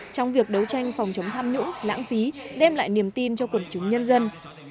trong việc đấu tranh phòng chống tham nhũng lãng phí đem lại niềm tin cho quần chúng nhân dân